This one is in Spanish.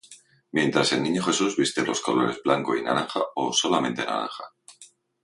Mientras el niño Jesús viste los colores blanco y naranja o solamente naranja.